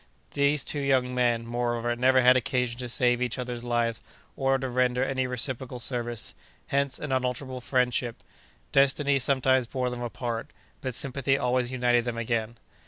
These two young men, moreover, never had occasion to save each other's lives, or to render any reciprocal service. Hence, an unalterable friendship. Destiny sometimes bore them apart, but sympathy always united them again.